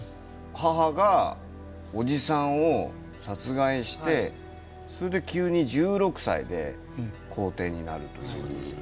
母がおじさんを殺害してそれで急に１６歳で皇帝になるという。